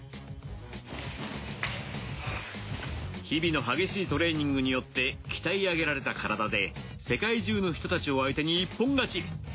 日々の激しいトレーニングによって鍛え上げられた体で世界中の人たちを相手に一本勝ち。